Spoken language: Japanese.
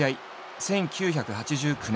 １９８９年